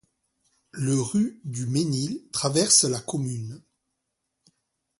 Le ru du Mesnil traverse la commune.